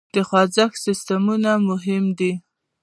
د خوزښت سیسټمونه مهم دي.